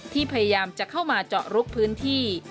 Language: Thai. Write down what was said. พยายามจะเข้ามาเจาะลุกพื้นที่